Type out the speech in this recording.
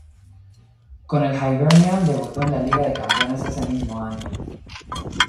Con el Hibernian debutó en la Liga de Campeones ese mismo año.